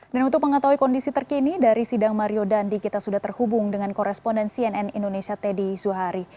dan untuk mengetahui kondisi terkini dari sidang mario dendi kita sudah terhubung dengan korespondensi nn indonesia teddy zuhari